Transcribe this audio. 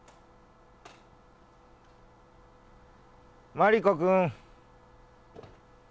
マリコ君。